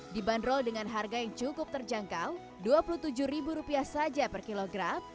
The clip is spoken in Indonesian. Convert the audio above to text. dibanderol dengan harga yang cukup terjangkau rp dua puluh tujuh saja per kilogram